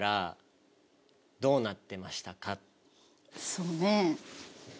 そうね。